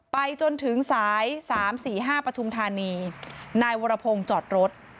ไปจนถึงสาย๓๔๕ปทุมธานีนายวรพงศ์จอดรถ